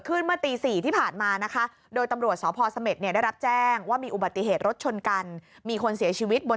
เมื่อตี๔ที่ผ่านมานะคะโดยตำรวจสพเสม็ดเนี่ยได้รับแจ้งว่ามีอุบัติเหตุรถชนกันมีคนเสียชีวิตบน